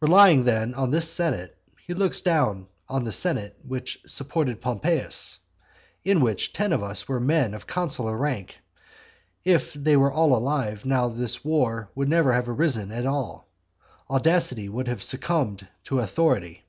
Relying then on this senate, he looks down on the senate which supported Pompeius, in which ten of us were men of consular rank; and if they were all alive now this war would never have arisen at all. Audacity would have succumbed to authority.